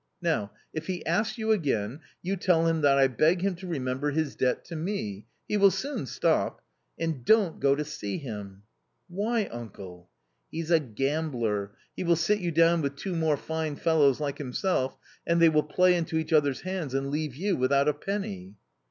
Now, if he asks you again, you tell him that I beg him to remember his debt to me — he will soon stop ! and don't go to see him." " Why, uncle ?"" He's a gambler. He will sit you down with two more fine fellows like himself, and they will play into each other's hands and leave you without a penny."